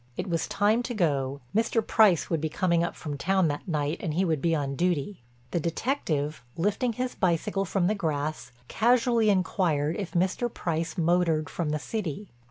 It was time to go; Mr. Price would be coming up from town that night and he would be on duty. The detective, lifting his bicycle from the grass, casually inquired if Mr. Price motored from the city.